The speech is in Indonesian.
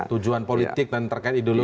tujuan politik dan terkait ideologi